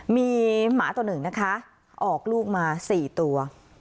มีหมาตัวหนึ่งนะคะออกลูกมา๔ตัว